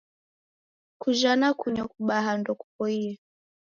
Kujha na kunywa kubaha ndokupoie.